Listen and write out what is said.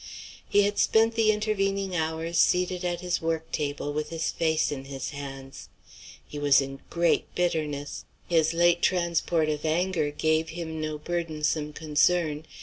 He had spent the intervening hours seated at his work table with his face in his hands. He was in great bitterness. His late transport of anger gave him no burdensome concern.